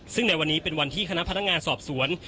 ซึ่งในวันนี้เป็นวันที่คณะพนักงานสอบสวน